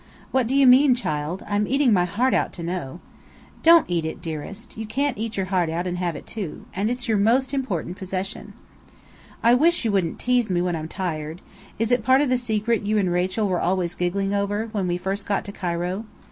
"What do you mean, child? I'm eating my heart out to know!" "Don't eat it, dearest. You can't eat your heart and have it, too. And it's your most important possession." "I wish you wouldn't tease me when I'm tired. Is it part of the secret you and Rachel were always giggling over, when we first got to Cairo?"